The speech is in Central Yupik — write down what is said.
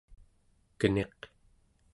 keniq